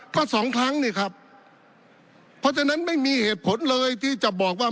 ก็สองครั้งนี่ครับเพราะฉะนั้นไม่มีเหตุผลเลยที่จะบอกว่า